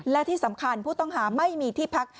และที่สำคัญผู้ต้องหาไม่มีที่พัก